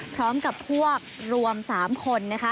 พร้อมกับพวกรวม๓คน